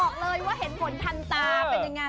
อ๋อบอกเลยว่าเห็นผลทันตาเป็นอย่างไร